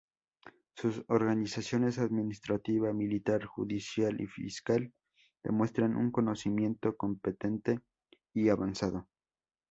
Sus organizaciones administrativa, militar, judicial y fiscal demuestran un conocimiento competente y avanzado.